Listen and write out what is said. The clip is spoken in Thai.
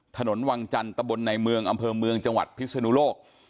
ถนนวังจันทร์ตะบนในเมืองอำเภอเมืองจังหวัดพิศนุโลก